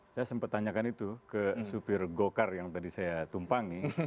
saya sempat tanyakan itu ke supir gokar yang tadi saya tumpangi